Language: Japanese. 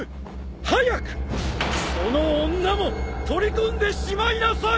早くその女も取り込んでしまいなさい！